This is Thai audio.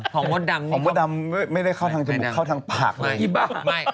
ของบทดำของบทดำไม่ได้เข้าทางจมูกเข้าทางปากเลย